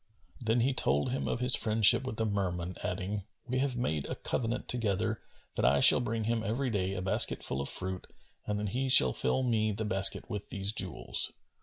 Then he told him of his friendship with the Merman, adding, "We have made a covenant together that I shall bring him every day a basket full of fruit and that he shall fill me the basket with these jewels."